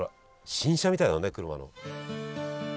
新車みたいだね車の。